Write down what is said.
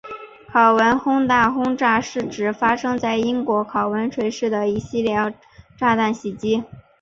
考文垂大轰炸是指发生在英国考文垂市的一系列炸弹袭击。